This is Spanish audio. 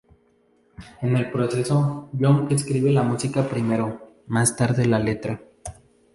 En el proceso, Young escribe la música primero, más tarde la letra.